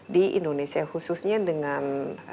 di indonesia khususnya dengan